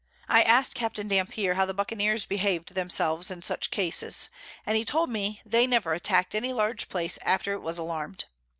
I asked Capt. Dampier how the Buccaneers behav'd themselves in such Cases, and he told me they never attack'd any large Place after it was alarm'd.